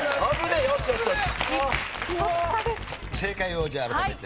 正解をじゃあ改めて。